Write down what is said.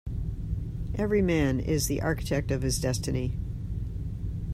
Every man is the architect of his destiny.